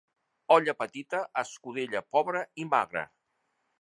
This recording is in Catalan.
Olla petita, escudella pobra i magra.